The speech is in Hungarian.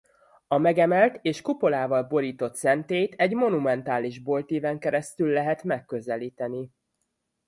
A megemelt és kupolával borított szentélyt egy monumentális boltíven keresztül lehet megközelíteni.